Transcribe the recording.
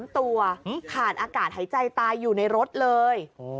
๓ตัวขาดอากาศหายใจตายอยู่ในรถเลย